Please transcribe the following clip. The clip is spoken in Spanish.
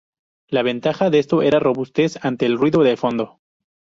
La ventaja de esto era su robustez ante el ruido de fondo.